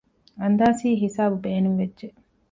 އަންދާސީ ހިސަބު ބޭނުންވެއްޖެ